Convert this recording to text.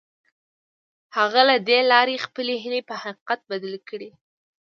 هغه له دې لارې خپلې هيلې په حقيقت بدلې کړې.